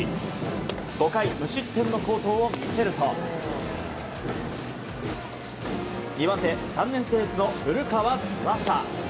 ５回、無失点の好投を見せると２番手、３年生エースの古川翼。